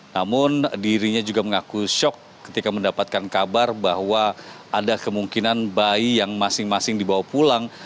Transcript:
namun dirinya juga mengaku shock ketika mendapatkan kabar bahwa ada kemungkinan bayi yang masing masing dibawa pulang